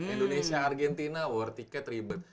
indonesia argentina war ticket ribet